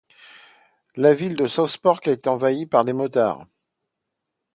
La ville de South Park est envahie par les motards.